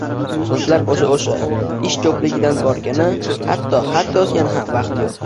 Soʻzlar oʻsha-oʻsha: ish koʻpligidan borgani, hatto xat yozgani ham vaqt yoʻq.